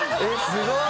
すごい。